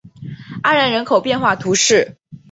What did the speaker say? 阿然人口变化图示